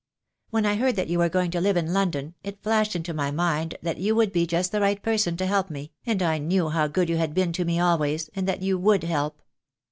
When I heard that you were going to live in London, it flashed into my mind that you would be just the right person to help me, and I knew how good you had been to me always, and that you would help.